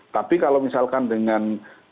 tapi kalau misalkan dengan